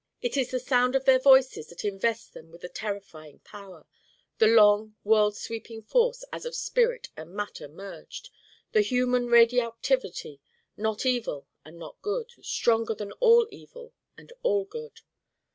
It is the Sound of their Voices that invests them with the terrifying Power, the long world sweeping Force as of spirit and matter merged, the human radioactivity not evil and not good, stronger than all evil and all good.